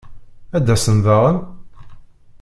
Ad d-asen daɣen?